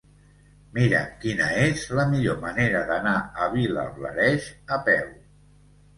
Mira'm quina és la millor manera d'anar a Vilablareix a peu.